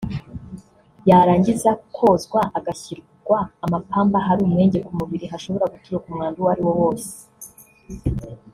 yarangiza kozwa agashyirwa amapamba ahari umwenge ku mubiri hashobora guturuka umwanda uwo ariwo wose